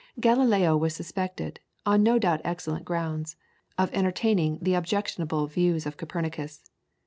Galileo was suspected, on no doubt excellent grounds, of entertaining the objectionable views of Copernicus.